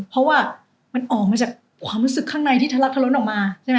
เพราะว่ามันออกมาจากความรู้สึกข้างในที่ทะลักทะล้นออกมาใช่ไหม